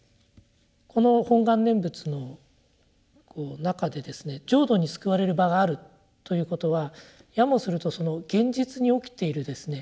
この「本願念仏」の中でですね浄土に救われる場があるということはやもするとその現実に起きているですね